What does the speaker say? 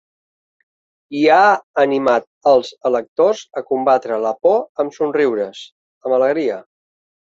I ha animat els electors a combatre la por amb somriures ‘amb alegria’.